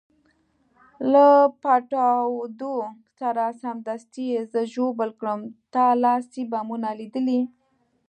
له پټاودو سره سمدستي یې زه ژوبل کړم، تا لاسي بمونه لیدلي؟